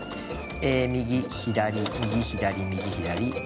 右左右左右左。